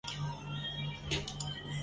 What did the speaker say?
马六甲苏丹王朝至苏门答腊西南部。